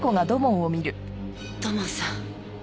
土門さん。